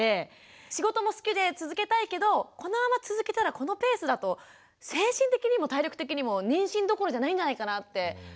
仕事も好きで続けたいけどこのまま続けたらこのペースだと精神的にも体力的にも妊娠どころじゃないんじゃないかなって思ったり。